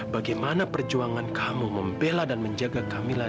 bagaimana perjuangan kamu membela dan menjaga kehamilan